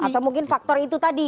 atau mungkin faktor itu tadi